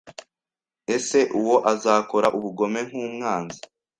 Ese uwo azakora ubugome nkumwanzi